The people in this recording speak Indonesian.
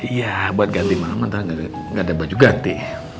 iya buat ganti malam nanti gak ada baju ganti